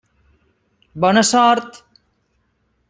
Bona sort!